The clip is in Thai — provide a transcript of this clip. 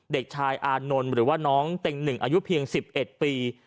เด็กชายอานนท์หรือว่าน้องเต็งหนึ่งอายุเพียง๑๑ปี